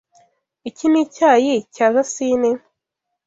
Iki ni icyayi cya jasine?